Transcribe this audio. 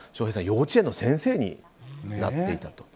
幼稚園の先生になっていたと。